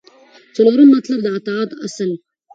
څلورم مطلب : د اطاعت اصل